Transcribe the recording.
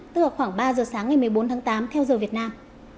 tức là khoảng ba giờ sáng ngày một mươi bốn tháng tám theo giờ việt nam